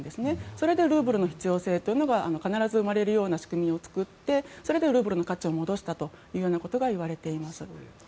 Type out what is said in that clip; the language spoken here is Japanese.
それでルーブルの必要性というのが必ず生まれる仕組みを作ってそれでルーブルの価値を戻したということが言われています。